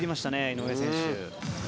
井上選手。